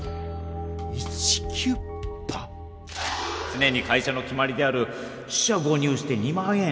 つねに会社の決まりである四捨五入して２万円。